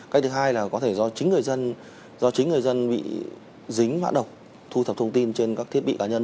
cách thứ hai là có thể do chính người dân bị dính mạng độc thu thập thông tin trên các thiết bị cá nhân